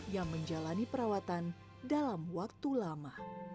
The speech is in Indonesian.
yang menjalani perawatan dalam waktu lama